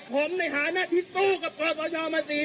ผมในฐานะที่สู้กับขอสะชาวมา๔ปี